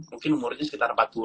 mungkin umurnya sekitar empat puluh